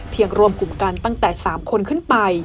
รวมกลุ่มกันตั้งแต่๓คนขึ้นไป